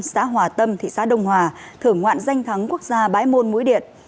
xã hòa tâm thị xã đông hòa thưởng ngoạn danh thắng quốc gia bãi môn mũi điện